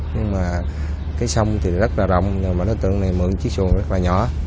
nhưng mà cái sông thì rất là rộng nhưng mà đối tượng này mượn chiếc xuồng rất là nhỏ